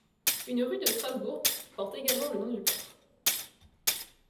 Une rue de Strasbourg porte également le nom du peintre.